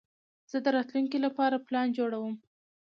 زه د راتلونکي لپاره پلان جوړوم.